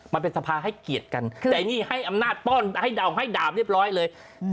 มันเป็นสภาให้เกียรติกันแต่นี่ให้อำนาจป้อนให้เดาให้ดาบเรียบร้อยเลย